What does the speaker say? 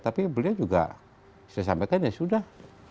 tapi beliau juga sudah sampaikan ya sudah